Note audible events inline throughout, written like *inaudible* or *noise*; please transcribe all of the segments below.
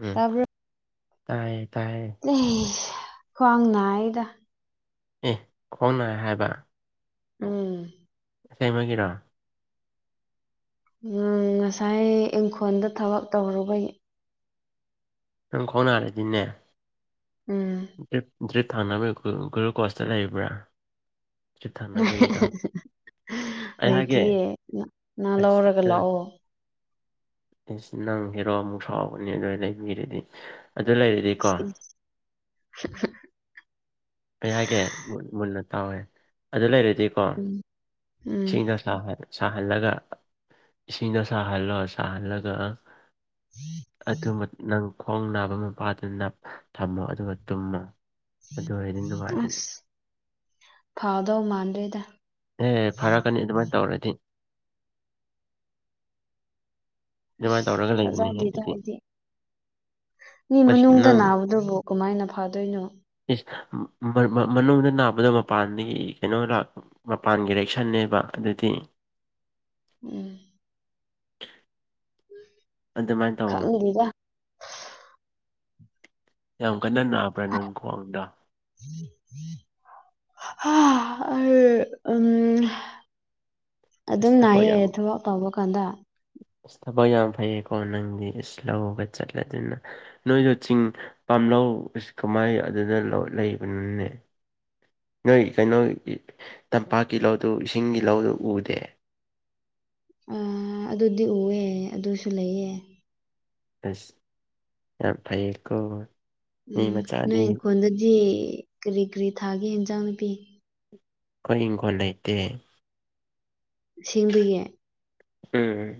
ꯎꯝ ꯇꯥꯏꯌꯦ ꯇꯥꯏꯌꯦ *unintelligible* ꯑꯦꯁ ꯈ꯭ꯋꯥꯡ ꯅꯥꯏꯗ ꯑꯦ ꯈꯣꯡꯅꯥꯏ ꯍꯥꯏꯕ ꯎꯝ ꯏꯇꯩꯃꯒꯤꯔꯣ ꯉꯁꯥꯏ ꯏꯪꯈꯣꯜꯗ ꯊꯕꯛ ꯇꯧꯔꯨꯕꯒꯤ ꯅꯪ ꯈꯋ꯭ꯥꯡ ꯅꯥꯔꯗꯤꯅꯦ *unintelligible* ꯎꯝ ꯗꯔꯤꯠ ꯊꯥꯅꯕ ꯒꯨꯔꯨꯀꯣꯁꯇꯣ ꯂꯩꯕ꯭ꯔꯥ ꯊꯛꯅꯕ ꯍꯤꯗꯥꯛ ꯂꯩꯇꯤꯌꯦ ꯅꯪ ꯑꯁ ꯂꯧꯔꯒ ꯂꯥꯛꯑꯣ ꯅꯪ ꯍꯦꯔꯣ ꯑꯃꯨꯛ ꯁꯥꯎꯒꯅꯦ ꯑꯗꯨ ꯂꯩꯕꯤꯔꯗꯤ ꯑꯗꯨ ꯂꯩꯔꯗꯤꯀꯣ *inaudible* ꯑꯩ ꯍꯥꯏꯒꯦ ꯃꯨꯟꯅ ꯇꯥꯎꯍꯦ ꯑꯗꯨ ꯂꯩꯔꯗꯤꯀꯣ ꯎꯝ ꯎꯝ ꯏꯁꯤꯡꯗ ꯁꯥꯍꯜꯂꯒ ꯏꯁꯤꯡꯗꯣ ꯁꯥꯍꯜꯂꯣ ꯁꯥꯍꯜꯂꯒ ꯑꯗꯨ ꯅꯪ ꯈꯣꯡ ꯅꯥꯕ ꯃꯄꯥꯗꯨꯅ ꯊꯝꯃꯣ ꯑꯗꯨꯒ ꯇꯨꯝꯃꯣ ꯑꯗꯨ ꯑꯣꯏꯔꯗꯤ ꯅꯨꯡꯉꯥꯏꯕꯅꯤ ꯑꯁ ꯐꯥꯗꯧ ꯃꯥꯟꯗꯦꯗ ꯑꯦ ꯐꯔꯛꯀꯅꯤ ꯑꯗꯨꯃꯥꯏꯅ ꯇꯧꯔꯗꯤ ꯑꯗꯨꯃꯥꯏꯅ ꯑꯁ ꯇꯧꯔꯒ ꯂꯩꯕꯅꯤ ꯊꯥꯖꯗꯦꯗ ꯑꯗꯨꯗꯤ ꯑꯩꯗꯤ ꯃꯤ ꯑꯁ ꯃꯅꯨꯡꯗ ꯅꯪ ꯅꯥꯕꯗꯨꯕꯨ ꯀꯃꯥꯏꯅ ꯐꯗꯣꯏꯅꯣ ꯏꯁ ꯃꯅꯨꯡꯗ ꯅꯥꯕꯗꯣ ꯃꯄꯥꯟꯗꯒꯤ ꯀꯩꯅꯣ ꯂꯥꯛ ꯃꯄꯥꯟꯒꯤ ꯔꯤꯑꯦꯛꯁꯟꯅꯦꯕ ꯑꯗꯨꯗꯤ ꯎꯝ ꯑꯗꯨꯃꯥꯏꯅ ꯇꯧꯑꯣ ꯈꯪꯗꯦꯗ ꯌꯥꯝ ꯀꯟꯅ ꯅꯥꯕ꯭ꯔꯥ ꯅꯪ ꯈ꯭ꯋꯥꯡꯗꯣ ꯎꯝ ꯎꯝ ꯍꯥ ꯑꯩ ꯎꯝ ꯑꯁ ꯑꯗꯨꯝ ꯊꯕꯛ ꯅꯥꯏꯌꯦ ꯌꯥꯝ ꯊꯕꯛ ꯇꯧꯕ ꯀꯥꯟꯗ ꯑꯁ ꯊꯕꯛ ꯌꯥꯝ ꯐꯩꯌꯦꯀꯣ ꯅꯪꯗꯤ ꯑꯁ ꯂꯧꯒ ꯆꯠꯂꯗꯅ ꯅꯣꯏꯗꯣ ꯆꯤꯡ ꯄꯥꯝꯂꯧ ꯀꯃꯥꯏ ꯑꯗꯨꯗ ꯂꯩꯕꯅꯣꯅꯦ ꯅꯣꯏ ꯀꯩꯅꯣꯒꯤ ꯇꯝꯄꯥꯛꯀꯤ ꯂꯧꯗꯨ ꯏꯁꯤꯡꯒꯤ ꯂꯧꯗꯨ ꯎꯗꯦ ꯎꯝ ꯑꯗꯨꯗꯤ ꯎꯏꯌꯦ ꯑꯗꯨꯁꯨ ꯂꯩꯌꯦ ꯑꯁ ꯌꯥꯝ ꯐꯩꯌꯦꯀꯣ ꯃꯤ ꯎꯝ ꯅꯣꯏ ꯃꯆꯥꯗꯤ ꯏꯪꯈꯣꯜꯗꯗꯤ ꯀꯔꯤ ꯀꯔꯤ ꯊꯥꯒꯦ ꯌꯦꯟꯖꯥꯡ ꯅꯥꯄꯤ ꯑꯩꯈꯣꯏ ꯏꯪꯈꯣꯜ ꯂꯩꯇꯦ ꯑꯁꯦꯡꯕꯒꯤ ꯎꯝ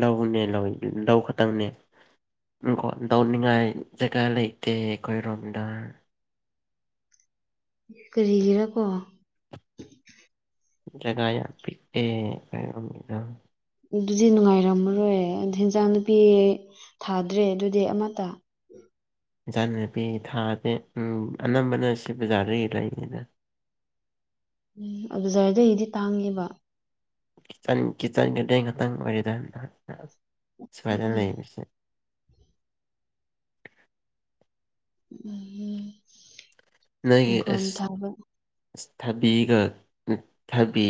ꯂꯧꯅꯦ ꯂꯧ ꯂꯧ ꯈꯛꯇꯪꯅꯦ ꯏꯪꯈꯣꯜ ꯇꯧꯅꯤꯡꯉꯥꯏ ꯖꯒꯥ ꯂꯩꯇꯦ ꯑꯩꯈꯣꯏꯔꯣꯝꯗ ꯀꯔꯤꯒꯤꯔꯥ ꯀꯣ ꯖꯒꯥ ꯌꯥꯝ ꯄꯤꯛꯑꯦ ꯑꯩꯈꯣꯢꯔꯣꯝꯗ ꯑꯗꯨꯗꯤ ꯅꯨꯡꯉꯥꯏꯔꯝꯃꯔꯣꯏ ꯑꯗꯨ ꯍꯦꯟꯖꯥꯡ ꯅꯨꯄꯤ ꯊꯥꯗ꯭ꯔꯦ ꯑꯗꯨꯗꯤ ꯑꯃꯇ ꯏꯟꯖꯥꯡ ꯅꯥꯄꯤ ꯊꯥꯗꯦ ꯎꯝ ꯑꯅꯝꯕꯅ ꯁꯤ ꯕꯖꯥꯔꯗꯒꯤ ꯂꯩꯕꯅꯤꯗ ꯎꯝ ꯕꯖꯥꯔꯗꯩꯗꯤ ꯇꯥꯡꯉꯦꯕ ꯆꯟ ꯀꯤꯠꯆꯟ ꯒꯥꯔꯗꯦꯟ ꯈꯛꯇꯪ ꯑꯣꯏꯔꯦꯗ ꯁꯨꯃꯥꯏꯅ ꯎꯝ ꯂꯩꯕꯁꯦ ꯎꯝ ꯅꯣꯏꯒꯤ ꯏꯪꯈꯣꯜ ꯑꯁ ꯊꯥꯕ ꯑꯁ ꯊꯥꯕꯤꯒ ꯊꯕꯤ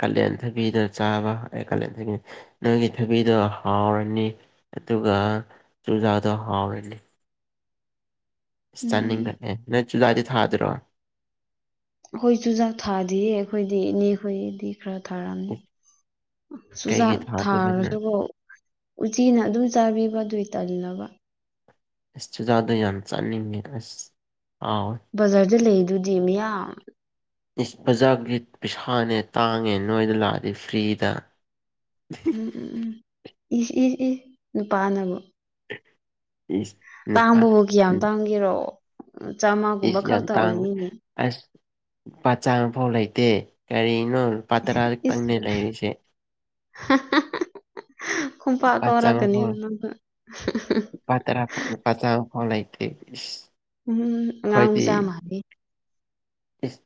ꯀꯥꯂꯦꯟ ꯊꯕꯤꯗꯨꯅ ꯆꯥꯕ ꯀꯥꯂꯦꯟ ꯊꯕꯤ ꯅꯪꯒꯤ ꯊꯕꯤꯗꯣ ꯍꯥꯎꯔꯅꯤ ꯑꯗꯨꯒ ꯆꯨꯖꯥꯗꯣ ꯍꯥꯎꯔꯅꯤ ꯏꯁ ꯎꯝ ꯎꯝ ꯆꯅꯤꯡꯔꯛꯑꯦ ꯅꯣꯏ ꯆꯨꯖꯗꯤ ꯊꯥꯗ꯭ꯔꯣ ꯍꯈꯣꯏ ꯆꯨꯖꯥꯛ ꯊꯥꯗꯤꯌꯦ ꯑꯩꯈꯣꯏꯗꯤ ꯏꯅꯦꯈꯣꯏ ꯒꯤꯗꯤ ꯈꯔ ꯊꯥꯔꯛꯑꯅꯤ ꯏꯁ ꯀꯩꯒꯤ ꯆꯨꯖꯥꯛ ꯊꯥꯗꯕꯅꯣ ꯊꯥꯔꯁꯨꯕ ꯎꯆꯤꯅ ꯑꯗꯨꯝ ꯆꯥꯕꯤꯕ ꯑꯗꯨꯏ ꯇꯜꯂꯕ ꯑꯁ ꯁꯨꯖꯥꯗ ꯌꯥꯝ ꯆꯥꯅꯤꯉꯦ ꯑꯁ ꯍꯥꯎꯋꯦ ꯕꯖꯥꯔꯗ ꯂꯩꯗꯨꯗꯤ ꯃꯤꯌꯥꯝ ꯏꯁ ꯕꯖꯥꯔꯒꯤ ꯄꯩꯁꯥꯅꯦ ꯇꯥꯡꯉꯦ ꯅꯣꯏꯗ ꯂꯥꯛꯑꯗꯤ ꯐ꯭ꯔꯤꯗ *inaudible* ꯎꯝ ꯎꯝ ꯎꯝ ꯏꯁꯁꯤ ꯏ ꯏꯁ ꯅꯨꯄꯥꯅꯕꯨ ꯏꯁ ꯅꯨꯄꯥ ꯇꯥꯡꯕꯕꯨ ꯀ꯭ꯌꯥꯝ ꯎꯝ ꯇꯥꯡꯒꯦꯔꯣ ꯆꯥꯃꯒꯨꯝꯕ ꯏꯁ ꯌꯥꯝ ꯈꯛꯇ ꯇꯥꯡ ꯑꯣꯏꯅꯤꯅꯦ ꯑꯁ ꯂꯨꯄꯥ ꯆꯥꯝꯐꯧ ꯂꯩꯇꯦ ꯀꯔꯤꯅꯣ꯫ ꯇꯔꯥ ꯏꯁ ꯈꯛꯇꯪꯅꯦ ꯂꯩꯔꯤꯁꯦ *unintelligible* ꯎꯝ ꯂꯨꯄꯥ ꯇꯔꯥ ꯄꯨꯔꯛꯎ ꯂꯨꯄꯥ ꯆꯥꯝꯐꯧ ꯂꯩꯇꯦ ꯏꯁ꯫ ꯎꯝ ꯑꯥꯉꯥꯡ ꯑꯩꯈꯣꯏꯗꯤ ꯃꯆ ꯃꯜꯂꯦ ꯏꯁ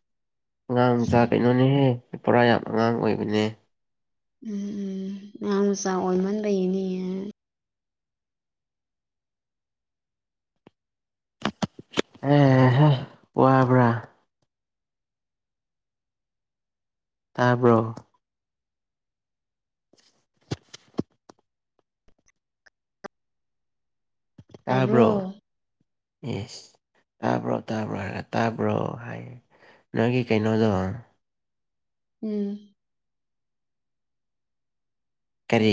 ꯑꯉꯥꯡꯖ ꯀꯩꯅꯣꯅꯦꯍꯦ ꯄꯨꯔꯥ ꯌꯥꯝ ꯑꯉꯥꯡ ꯑꯣꯏꯕꯅꯦ ꯎꯝ ꯎꯝ ꯑꯉꯥꯡ ꯃꯆꯥ ꯑꯣꯏꯃꯟꯕꯅꯤꯌꯦ *inaudible* ꯎꯝ ꯍꯣ ꯋꯥꯕ꯭ꯔ ꯇꯥꯕ꯭ꯔꯣ ꯇꯥꯕ꯭ꯔꯣ ꯌꯦꯁ ꯇꯥꯕ꯭ꯔꯣ ꯇꯥꯕ꯭ꯔꯣ ꯍꯥꯏꯔꯒ ꯇꯥꯕ꯭ꯔꯣ ꯍꯥꯏꯌꯦ ꯅꯪꯒꯤ ꯀꯩꯅꯣꯗꯣ ꯎꯝ ꯀꯔꯤ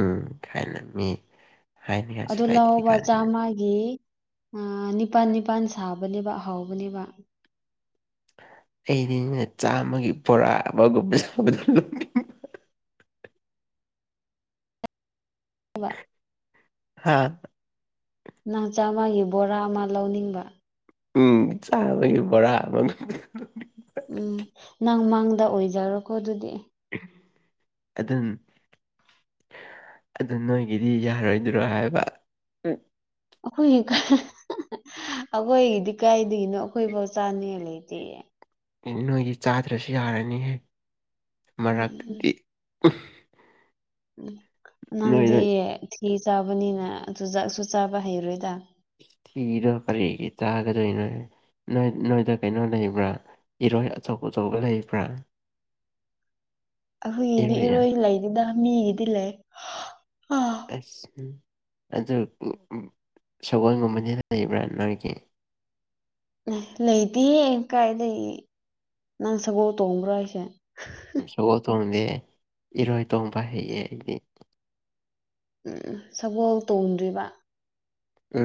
ꯎꯝ ꯍꯥꯏꯅ ꯃꯤ ꯍꯥꯏꯅꯤꯡꯉꯥꯏꯁꯨ ꯂꯩꯇ꯭ꯔꯤ ꯀꯥꯟꯁꯤꯗ ꯏ ꯑ ꯅꯤꯄꯥꯟ ꯅꯤꯄꯥꯟ ꯁꯥꯕꯅꯦꯕ ꯍꯧꯕꯅꯦꯕ꯫ ꯑꯩꯗꯤꯅ ꯆꯥꯝꯃꯒꯤ ꯕꯣꯔꯥ ꯑꯃꯒꯨꯝ 'inaudible' *inaudible* ꯍꯥꯥ ꯅꯪ ꯆꯥꯝꯃꯒꯤ ꯕꯣꯔꯥ ꯑꯃ ꯂꯧꯅꯤꯡꯕ ꯎꯝ ꯆꯥꯕꯒꯤ ꯕꯔ ꯍꯥꯏꯕ ꯎꯝ ꯅꯪ ꯃꯪꯡꯗ ꯑꯣꯏꯖꯔꯣꯀꯣ ꯑꯗꯨꯗꯤ ꯑꯗꯨꯟ ꯑꯗꯨ ꯅꯣꯏꯒꯤꯗꯤ ꯌꯥꯔꯣꯏꯗ꯭ꯔꯣ ꯍꯥꯏꯕ ꯑꯩꯈꯣꯏꯒꯤ ꯑꯩꯈꯣꯏꯒꯤꯗꯤ ꯀꯥꯏꯗꯒꯤꯅꯣ ꯑꯩꯈꯣꯏꯐꯧ ꯆꯥꯅꯤꯉꯥꯏ ꯂꯩꯇꯦ ꯅꯣꯏꯗꯤ ꯆꯥꯗ꯭ꯔꯁꯨ ꯌꯥꯔꯅꯤꯍꯦ ꯎꯝ ꯎꯝ ꯃꯔꯛꯇꯗꯤ ꯑꯝ ꯎꯝ ꯅꯪꯗꯤ ꯅꯣꯏꯗ ꯊꯤ ꯆꯥꯕꯅꯤꯅ ꯆꯨꯖꯥꯛꯁꯨ ꯆꯥꯕ ꯍꯩꯔꯣꯏꯗ ꯏꯅꯣ ꯀꯔꯤꯒꯤ ꯆꯒꯗꯣꯏꯅꯣ ꯅꯣꯏ ꯅꯣꯏꯗ ꯀꯩꯅꯣ ꯂꯩꯕ꯭ꯔꯥ ꯏꯔꯣꯏ ꯑꯆꯧ ꯑꯆꯧꯕ ꯂꯩꯕ꯭ꯔꯥ꯫ *inaudible* ꯑꯍꯣꯏꯒꯤꯗꯤ ꯏꯔꯣꯏꯌꯦ ꯏꯔꯣꯏ ꯂꯩꯗꯦꯗ ꯃꯤꯒꯤꯗꯤ ꯂꯩ꯫ ꯑꯁ ꯎ ꯑꯗꯨ ꯁꯒꯣꯜꯒꯨꯝꯕꯅꯤꯅ ꯂꯩꯕ꯭ꯔꯥ ꯅꯪꯡꯒꯤ ꯑꯦ ꯂꯩꯇꯦꯍꯦ ꯀꯥꯏ ꯂꯩ ꯅꯪ ꯁꯒꯣꯜ ꯇꯣꯡꯕ꯭ꯔꯣ ꯍꯥꯏꯁꯦ ꯁꯒꯣꯜ ꯊꯣꯡꯗꯦ ꯏꯔꯣꯏ ꯇꯣꯡꯕ ꯍꯩꯌꯦ ꯑꯩꯗꯤ ꯎꯝ ꯁꯒꯣꯜ ꯇꯣꯡꯗ꯭ꯔꯤꯕ꯫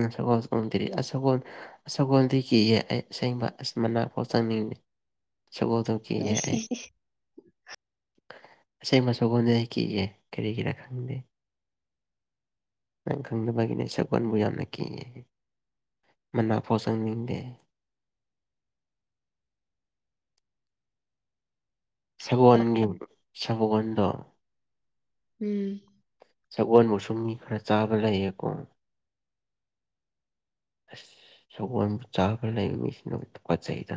ꯎ ꯁꯒꯣꯜ ꯁꯨ ꯎꯟꯗꯔꯤ ꯑꯁ ꯁꯒꯣꯅ ꯁꯒꯣꯜꯗꯤ ꯀꯤꯌꯦ ꯑꯩ ꯑꯁꯦꯡꯕ ꯑꯁ ꯃꯅꯥꯛ ꯐꯥꯎ ꯆꯪꯅꯤꯡꯕꯗꯦ ꯁꯒꯣꯜ ꯏꯁ ꯏꯁ ꯏꯁ *unintelligible* ꯑꯁꯦꯡꯕ ꯁꯒꯣꯟꯗꯤ ꯀꯤꯖꯥꯏ ꯀꯔꯤꯒꯤꯔꯥ ꯈꯪꯗꯦ ꯅꯪ ꯈꯪꯅꯕꯦꯅꯦ ꯁꯛꯒꯅꯕꯨꯌꯝ ꯀꯤꯌꯦ ꯃꯅꯥꯛ ꯄꯣ ꯁꯪꯅꯤꯡꯗꯦ ꯁꯒꯣꯜꯒꯤ ꯁꯒꯣꯜꯗꯣ ꯎꯝ ꯁꯒꯣꯜ ꯕꯨꯁꯨ ꯃꯤ ꯈꯔ ꯆꯥꯕ ꯂꯩꯌꯦꯀꯣ꯫ ꯑꯁ ꯁꯒꯣꯜ ꯃꯆꯥ ꯈꯔ ꯂꯩꯕ ꯃꯤꯁꯤꯅꯕꯨ ꯇꯨꯒꯠꯆꯩꯗ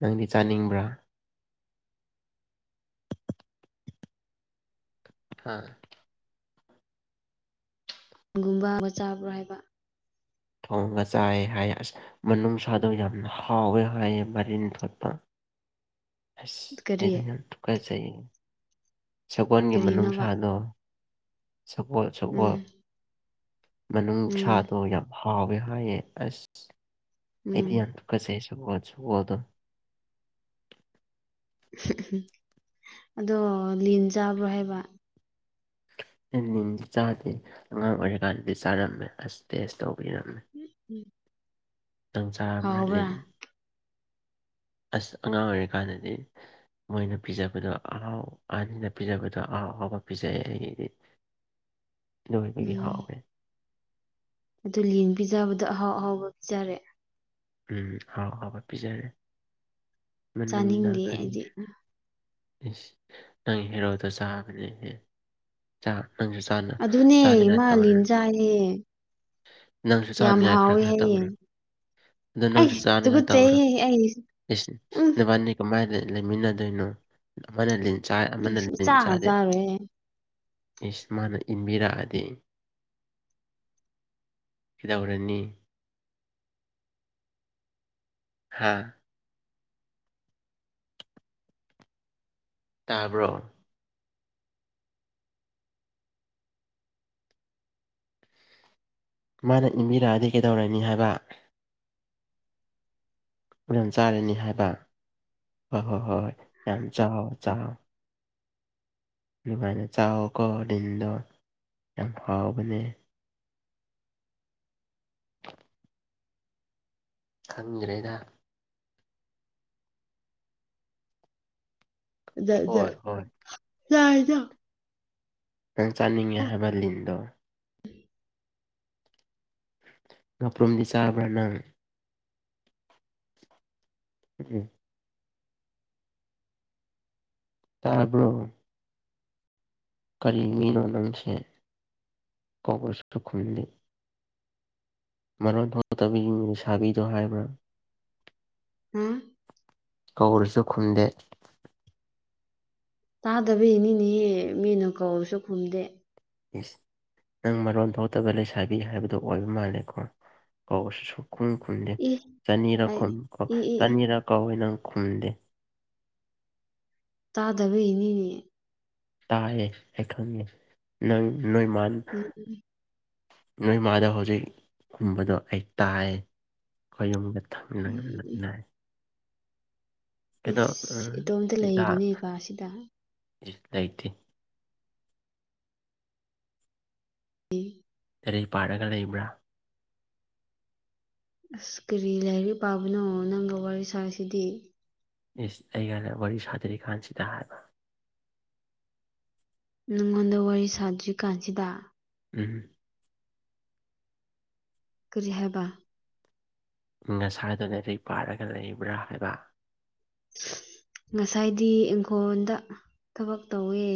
ꯅꯪꯗꯤ ꯆꯥꯅꯤꯡꯕ꯭ꯔꯥ ꯍꯥ ꯒꯨꯝꯕ ꯆꯥꯕ꯭ꯔꯣ ꯍꯥꯏꯕ ꯊꯣꯡꯉꯥꯒ ꯆꯥꯏ ꯍꯥꯏ ꯑꯁ ꯃꯅꯨꯡ ꯁꯥꯥꯗꯣ ꯌꯥꯝꯅ ꯍꯥꯎꯌꯦ ꯍꯥꯏꯌꯦ ꯃꯔꯤꯟ ꯊꯣꯠꯄ ꯑꯁ ꯀꯔꯤ ꯑꯩꯗꯤ ꯌꯥꯝ ꯇꯨꯒꯨꯠꯆꯩꯌꯦ ꯁꯒꯣꯟꯒꯤ ꯀꯔꯤꯅꯣꯕ ꯃꯅꯨꯡꯁꯥꯗꯣ꯫ ꯁꯒꯣꯜ ꯁꯒꯣꯜ ꯎꯝ ꯎꯝ ꯃꯅꯨꯡꯁꯗꯣ ꯌꯥꯝ ꯍꯥꯎꯏ ꯍꯥꯏꯌꯦ ꯑꯁ ꯎꯝ ꯑꯩꯗꯤ ꯌꯥꯝ ꯊꯨꯀꯠꯆꯩ ꯁꯒꯣꯜ ꯁꯒꯣꯜ ꯑꯗꯣ ꯑꯗꯣ ꯂꯤꯟ ꯆꯥꯕ꯭ꯔꯣ ꯍꯥꯏꯕ ꯑꯩ ꯂꯤꯟꯗꯤ ꯆꯥꯗꯦ ꯑꯉꯥꯡ ꯑꯣꯏꯔꯤꯀꯥꯟꯗꯤ ꯆꯥꯔꯝꯃꯦ ꯑꯁ ꯇꯦꯁ ꯇꯧꯕꯒꯤꯔꯝꯃꯦ꯫ ꯎꯝ ꯎꯝ꯫ ꯅꯪ ꯆꯥꯔꯕ꯭ꯔꯥ ꯂꯤꯟ ꯍꯥꯎꯕ꯭ꯔꯥ ꯑꯁ ꯑꯉꯥꯡ ꯑꯣꯏꯔꯤꯀꯥꯟꯗꯗꯤ꯫ ꯃꯣꯏꯅ ꯄꯤꯖꯕꯗꯣ ꯑꯍꯥꯎ ꯑꯅꯤꯅ ꯄꯤꯖꯕꯗꯣ ꯑꯍꯥꯎ ꯑꯥꯎꯕ ꯄꯤꯖꯩ ꯑꯩꯒꯤꯗꯤ ꯂꯣꯏꯕꯒꯤ ꯎꯝ ꯍꯥꯎꯋꯦ ꯑꯗꯨ ꯂꯤꯟ ꯄꯤꯖꯕꯗꯣ ꯑꯍꯥꯎ ꯑꯍꯥꯎꯕ ꯄꯤꯖꯔꯦ ꯎꯝ ꯍꯥꯎ ꯍꯥꯎꯕ ꯄꯤꯖꯔꯦ ꯃꯅꯨꯡꯗ ꯆꯥꯅꯤꯡꯗꯦ ꯈꯔꯤ ꯑꯩꯗꯤ ꯅꯪ ꯍꯦꯔꯣꯗ ꯆꯥꯕꯅꯦꯍꯦ ꯅꯪꯁꯨ ꯆꯥꯟꯅꯩ ꯑꯗꯨꯅꯦ ꯃꯥ ꯂꯤꯟ ꯆꯥꯏꯌꯦ꯫ ꯅꯪꯁꯨ ꯌꯥꯝ ꯆꯥꯟꯅ ꯌꯥꯏ ꯈꯔ ꯍꯥꯎꯋꯦ ꯈꯔ ꯍꯥꯏꯌꯦ ꯇꯧꯔ ꯑꯗꯨ ꯑꯩ ꯅꯪꯁꯨ ꯆꯥꯅꯤꯡꯉꯥꯏ ꯇꯧꯈ꯭ꯔꯣ ꯇꯨꯒꯠꯆꯩꯍꯦ ꯑꯩ ꯎꯝ ꯅꯕꯥꯅꯤ ꯀꯃꯥꯏꯅ ꯂꯩꯃꯤꯟꯅꯗꯣꯏꯅꯣ ꯑꯃꯅ ꯂꯤꯟ ꯆꯥꯏ ꯑꯃꯅ ꯂꯤꯟ ꯁꯨꯡꯆꯥ ꯆꯥꯗꯦ ꯆꯥꯔꯣꯏꯍꯦ ꯏꯁ ꯃꯥꯅ ꯏꯟꯕꯤꯔꯛꯑꯗꯤ꯫ ꯍꯤꯗꯧꯔꯅꯤ ꯍꯥꯥ ꯇꯥꯕ꯭ꯔꯣ ꯃꯥꯅ ꯏꯟꯕꯤꯔꯛꯑꯗꯤ ꯀꯩꯗꯧꯔꯅꯤ ꯍꯥꯏꯕ꯫ ꯍꯨꯔꯦꯟ ꯆꯥꯔꯅꯤ ꯍꯥꯏꯕ ꯍꯣ-ꯍꯣꯏ-ꯍꯣꯏ ꯌꯥꯝ ꯆꯥꯎ ꯆꯥꯎ꯫ ꯑꯗꯨꯃꯥꯏꯅ ꯆꯥꯎꯀꯣ ꯂꯤꯟꯗꯣ ꯌꯥꯝ ꯍꯥꯎꯕꯅꯦ ꯈꯪꯗ꯭ꯔꯦꯗ ꯑꯗꯦ ꯗꯦ ꯍꯣꯏ ꯍꯣꯏ ꯂꯥꯏꯗ꯫ ꯅꯪ ꯆꯥꯅꯤꯡꯉꯦ ꯍꯥꯏꯕ ꯂꯤꯟꯗꯣ ꯉꯥꯄ꯭ꯔꯨꯝꯗꯤ ꯆꯥꯕ꯭ꯔꯥ ꯅꯪ ꯎ ꯇꯥꯔꯕ꯭ꯔꯣ ꯀꯔꯤ ꯃꯤꯅꯣ ꯅꯪꯁꯦ ꯀꯥꯎꯕꯁꯨ ꯈꯨꯝꯗꯦ ꯃꯔꯣꯟ ꯊꯣꯛꯂꯇꯕꯤ ꯂꯩꯁꯥꯕꯤꯗꯣ ꯍꯥꯏꯕ꯭ꯔꯥ ꯍꯥꯝ ꯀꯧꯔꯁꯨ ꯈꯨꯝꯗꯦ꯫ ꯇꯥꯗꯕꯩꯅꯤꯅꯦꯍꯦ ꯃꯤꯅ ꯀꯧꯔꯁꯨ ꯈꯨꯝꯗꯦ ꯌꯦꯁ ꯅꯪ ꯃꯔꯣꯟ ꯊꯣꯛꯇꯕ ꯂꯩꯁꯥꯕꯤ ꯍꯥꯏꯕꯗꯣ ꯑꯣꯟꯕ ꯃꯥꯜꯂꯦꯀꯣ ꯀꯧꯕꯁꯨꯁꯨ ꯈꯨꯝ ꯈꯨꯝꯗꯦ ꯏ ꯆꯅꯤꯔꯛ ꯑꯩ ꯈꯨꯝ ꯑꯣ ꯏ ꯏ ꯏ ꯆꯅꯤꯔꯛ ꯀꯧꯋꯦ ꯅꯪ ꯈꯨꯝꯗꯦ꯫ ꯇꯥꯗꯕ ꯏꯅꯦ ꯇꯥꯏꯌꯦ ꯑꯩ ꯈꯪꯉꯦ ꯅꯪ ꯅꯣꯏꯃꯥꯟ꯫ ꯎꯝ ꯎꯝ ꯅꯣꯏ ꯃꯥꯅ ꯍꯧꯖꯤꯛ ꯈꯨꯝꯕꯗꯣ ꯑꯩ ꯇꯥꯏ ꯑꯩꯈꯣꯏ ꯌꯨꯝꯗ ꯎꯝ ꯊꯝ *unintelligible* ꯏꯁ ꯎꯝ ꯏꯇꯣꯝꯇ ꯁꯤꯗ ꯂꯩꯔꯤꯅꯦꯀꯥꯁꯤꯗ ꯂꯩꯇꯦ *inaudible* ꯂꯔꯤꯛ ꯄꯥꯔꯒ ꯂꯩꯕ꯭ꯔꯥ ꯑꯁ ꯀꯔꯤ ꯂꯥꯏꯔꯤꯛ ꯄꯥꯕꯅꯣ ꯅꯪꯒ ꯋꯥꯔꯤ ꯁꯥꯏꯁꯤꯗꯤ ꯏꯁ ꯑꯩꯒꯅ ꯋꯥꯔꯤ ꯁꯥꯗ꯭ꯔꯤ ꯀꯥꯟꯁꯤꯗ ꯍꯥꯏꯕ ꯅꯪꯉꯣꯟꯗ ꯋꯥꯔꯤ ꯁꯥꯗ꯭ꯔꯤꯀꯥꯟꯁꯤꯗ ꯎꯝꯝ꯫ ꯀꯔꯤ ꯍꯥꯏꯕ꯫ ꯉꯁꯥꯏꯗꯨ ꯂꯥꯏꯔꯤꯛ ꯄꯥꯔꯒ ꯂꯩꯕ꯭ꯔꯥ ꯍꯥꯏꯕ꯫ ꯉꯁꯥꯏꯗꯤ ꯏꯪꯈꯣꯜꯗ ꯊꯕꯛ ꯇꯧꯋꯦ꯫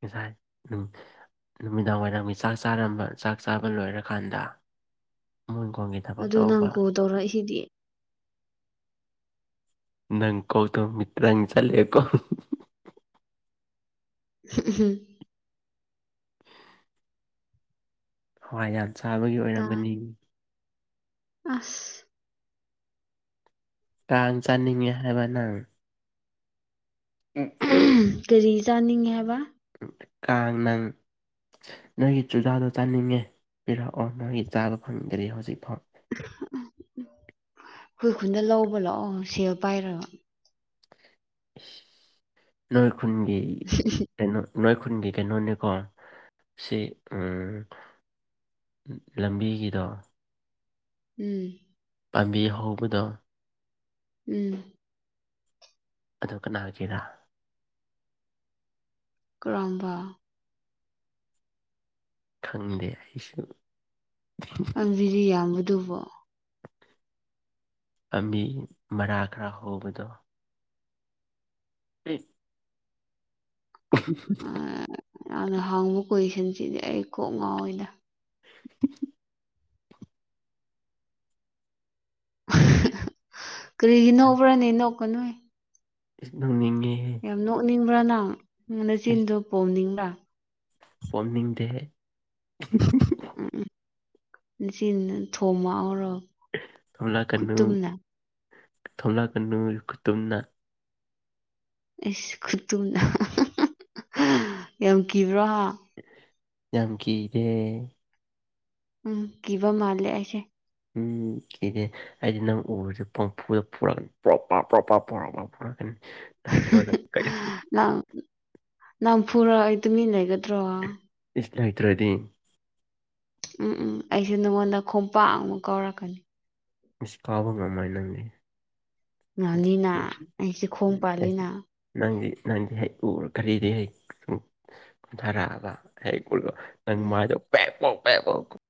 ꯉꯁꯥꯏ ꯎꯝ ꯅꯨꯃꯤꯗꯥꯡ ꯋꯥꯏꯔꯝꯒꯤ ꯆꯥꯛ ꯆꯥꯔꯝꯕ ꯆꯥꯛ ꯆꯥꯕ ꯂꯣꯏꯔꯀꯥꯟꯗ ꯃꯣꯏꯈꯣꯡꯒꯤ ꯊꯕꯛ ꯑꯗꯨ ꯇꯧꯕ ꯅꯪ ꯀꯣꯜ ꯇꯧꯔꯛꯏꯁꯤꯗꯤ ꯅꯪ ꯀꯣꯜ ꯇꯧ ꯃꯤ ꯇ꯭ꯔꯪ ꯆꯠꯂꯦꯀꯣ *unintelligible* ꯎꯝ ꯍꯋꯥꯏ ꯌꯥꯝ ꯆꯥꯕꯒꯤ ꯑꯣꯏꯔꯝꯒꯅꯤ ꯑꯁ ꯀꯥꯡ ꯆꯥꯅꯤꯡꯉꯦ ꯍꯥꯏꯕ ꯅꯪ ꯎꯝ ꯀꯔꯤ ꯆꯥꯅꯤꯡꯉꯦ ꯍꯥꯏꯕ ꯀꯥꯡ ꯅꯪ ꯅꯣꯏꯒꯤ ꯆꯨꯖꯥꯗꯣ ꯆꯥꯅꯤꯡꯉꯦ ꯄꯤꯔꯛꯑꯣ ꯅꯣꯏꯒꯤ ꯆꯥꯗꯣ ꯐꯪꯗꯔꯤ ꯍꯧꯖꯤꯛꯐꯥꯎ ꯑꯩꯈꯣꯏ ꯈꯨꯟꯗ ꯂꯧꯕ ꯂꯥꯛꯑꯣ ꯁꯦꯜ ꯄꯥꯏꯔꯕ ꯅꯣꯏ ꯈꯨꯟꯒꯤ *unintelligible* ꯀꯩꯅꯣ ꯅꯣꯏꯈꯨꯟꯒꯤ ꯀꯩꯅꯣꯅꯤꯀꯣ ꯁꯤ ꯂꯝꯕꯤꯒꯤꯗꯣ ꯎꯝ ꯄꯥꯝꯕꯤ ꯍꯧꯕꯗꯣ ꯎꯝ꯫ ꯑꯗꯣ ꯀꯅꯥꯒꯤꯔꯥ ꯀꯔꯝꯕ꯫ ꯈꯪꯗꯦ ꯑꯩꯁꯨ ꯕꯤꯔꯤꯌꯥꯝꯕꯗꯨꯕꯣ ꯂꯝꯕꯤ ꯃꯔꯥ ꯈꯔ ꯍꯧꯕꯗꯣ *unintelligible* ꯎ *inaudible* ꯅꯪꯅ ꯍꯪꯕ ꯀꯣꯏꯁꯟꯁꯤꯗꯤ ꯑꯩ ꯀꯣꯛ ꯉꯥꯎꯏꯗ꯫ *unintelligible* ꯀꯔꯤꯒꯤ ꯅꯧꯕ꯭ꯔꯅꯦ ꯅꯣꯛꯀꯅꯨ ꯅꯣꯛꯅꯤꯡꯉꯦ ꯌꯥꯝ ꯅꯣꯛꯅꯤꯡꯕ꯭ꯔꯥ ꯅꯪꯪ ꯅꯆꯤꯟꯗꯨ ꯄꯣꯝꯅꯤꯡꯕ꯭ꯔꯥ꯫ ꯐꯣꯟꯅꯤꯡꯡꯗꯦꯍꯦ ꯎꯝ ꯎꯝ ꯅꯆꯤꯟꯗꯨꯗ ꯊꯣꯝꯃꯛꯎꯔꯣ꯫ ꯊꯣꯝꯂꯛꯀꯅꯨ ꯊꯣꯝꯂꯛꯀꯅꯨ ꯈꯨꯇꯨꯝꯅ ꯑꯩꯁ ꯈꯨꯠꯇꯨꯝꯅ ꯌꯥꯝ ꯀꯤꯕ꯭ꯔꯣ ꯍꯥ ꯌꯥꯝ ꯀꯤꯗꯦ ꯎꯝ ꯀꯤꯕ ꯃꯥꯜꯂꯦ ꯑꯩꯁꯦ ꯎꯝ ꯀꯤꯗꯦ ꯑꯩꯗꯤ ꯅꯪ ꯎꯔꯨꯁꯤ ꯄꯪꯐꯨꯗ ꯐꯨꯔꯛꯀꯅꯤ ꯄ꯭ꯔꯣꯞ ꯄ ꯄ꯭ꯔꯣꯞ ꯄ ꯄꯨꯣꯔꯛꯄ ꯐꯨꯔꯛꯀꯅꯤ ꯅꯪ ꯍꯦꯔꯣꯗꯣ ꯅꯪ ꯅꯪ ꯐꯨꯔ ꯑꯩ ꯇꯨꯃꯤꯟ ꯂꯩꯒꯗ꯭ꯔꯣ ꯏꯁ ꯂꯩꯇ꯭ꯔꯗꯤ ꯎꯝ ꯎꯝ ꯑꯩꯁꯨ ꯅꯉꯣꯟꯗ ꯈꯣꯡꯄꯥꯛ ꯑꯃꯨꯛ ꯀꯥꯎꯔꯛꯀꯅꯤ ꯏꯁ ꯀꯥꯎꯕ ꯉꯝꯃꯣꯏ ꯅꯪꯗꯤ ꯉꯥꯅꯤꯅ ꯑꯩꯁꯦ ꯈꯣꯡ ꯄꯥꯜꯂꯤꯅ ꯅꯪꯗꯤ ꯅꯪꯗꯤ ꯍꯩ ꯎꯔ ꯀꯔꯤꯔꯦ ꯍꯩ *unintelligible* ꯅꯪ ꯎꯝ ꯃꯥꯥꯏꯗꯣ ꯄꯦꯛ ꯄꯣꯛ ꯄꯦꯛ ꯄꯣꯛ